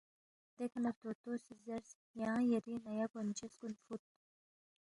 دیکھہ نہ طوطو سی زیرس، یانگ یری نیا گونچس کُن فُود